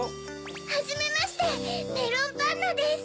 はじめましてメロンパンナです。